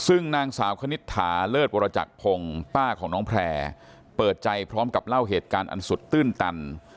ซึ่งนางสาวคณิตถาเลิศวรจักรพงศ์ป้าของน้องแพร่เปิดใจพร้อมกับเล่าเหตุการณ์อันสุดตื้นตัน